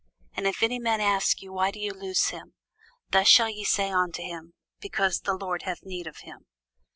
And if any man ask you, Why do ye loose him? thus shall ye say unto him, Because the Lord hath need of him.